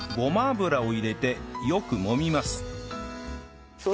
油を入れてよく揉みます